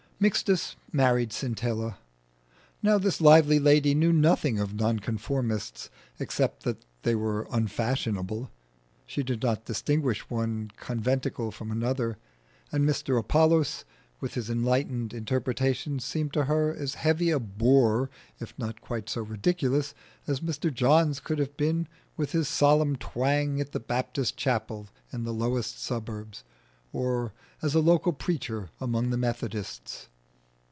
Mixtus married Scintilla. Now this lively lady knew nothing of Nonconformists, except that they were unfashionable: she did not distinguish one conventicle from another, and Mr Apollos with his enlightened interpretations seemed to her as heavy a bore, if not quite so ridiculous, as Mr Johns could have been with his solemn twang at the Baptist chapel in the lowest suburbs, or as a local preacher among the Methodists.